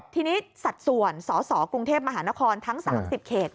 ทีนี้สัดส่วนสสกรุงเทพมหานครทั้ง๓๐เขต